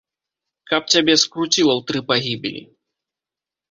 Каб цябе скруціла ў тры пагібелі!